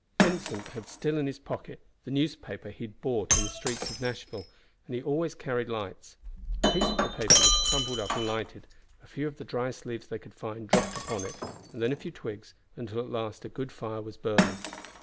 Vincent had still in his pocket the newspaper he had bought in the streets of Nashville, and he always carried lights. A piece of the paper was crumpled up and lighted, a few of the driest leaves they could find dropped upon it, then a few twigs, until at last a good fire was burning.